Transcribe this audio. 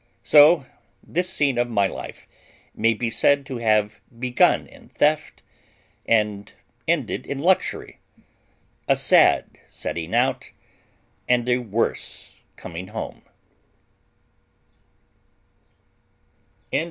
So this scene of my life may be said to have begun in theft, and ended in luxury; a sad setting out, and a worse coming home.